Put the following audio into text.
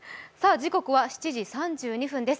時刻は７時３２分です。